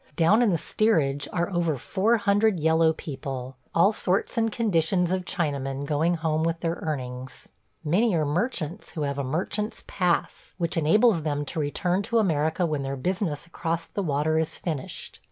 Down in the steerage are over four hundred yellow people. ... All sorts and conditions of Chinamen going home with their earnings. Many are merchants who have a merchant's pass, which enables them to return to America when their business across the water is finished.